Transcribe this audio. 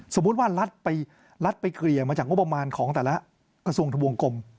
สมมุติว่ารัฐไปเคลียร์มาจากงบประมาณของแต่ละกระทรวงทะวงกลม